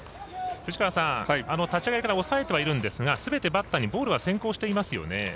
藤川さん、立ち上がりから抑えているんですがすべてバッターにボールが先行してますよね。